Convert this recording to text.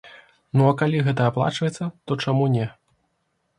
Ну а калі гэта аплачваецца, то чаму не?